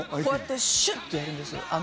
こうやってシュッとやるんです